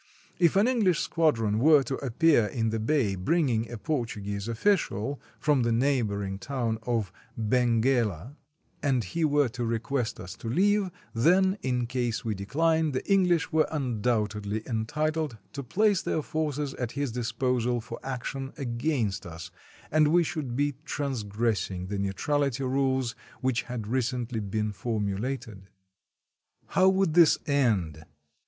If an English squadron were to appear in the bay, bringing a Portuguese ofiicial, from the neigh boring town of Benguela, and he were to request us to leave, then, in case we declined, the English were un doubtedly entitled to place their forces at his disposal for action against us, as we should be transgressing the neutrality rules which had recently been formulated. How would this end